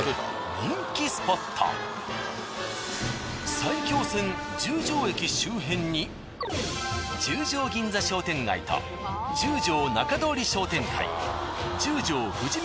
埼京線十条駅周辺に十条銀座商店街と十条仲通り商店会十条富士見